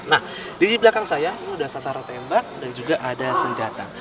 nah di belakang saya ini ada sasaran tembak dan juga ada senjata